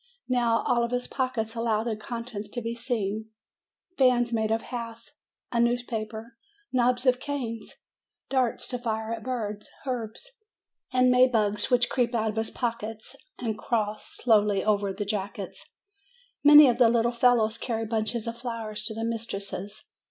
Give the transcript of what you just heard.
Now all his pockets allow their contents to be seen, fans made of half a newspaper, knobs of THE POETIC SIDE 297 canes, darts to fire at birds, herbs, and maybugs which creep out of his pockets and crawl slowly over the jackets. Many of the little fellows carry bunches of flowers to the mistresses.